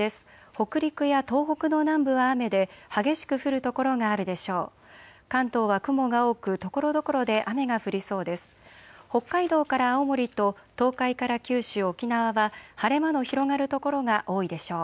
北陸や東北の南部は雨で激しく降る所があるでしょう。